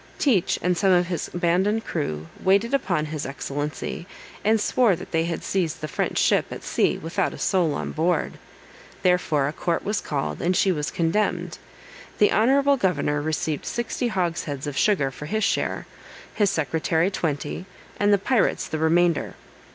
Teach and some of his abandoned crew waited upon his excellency, and swore that they had seized the French ship at sea, without a soul on board; therefore a court was called, and she was condemned, the honorable governor received sixty hogsheads of sugar for his share, his secretary twenty, and the pirates the remainder.